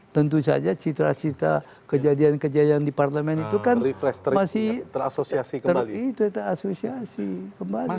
tentu saja citra citra kejadian kejadian di parlement itu kan masih ter associasi kembali